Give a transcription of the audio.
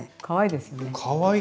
かわいいです。